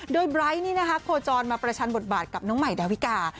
โดยไบร์ทนี่นะคะโคจรมาประชันบทบาทกับน้องใหม่ดาวิกา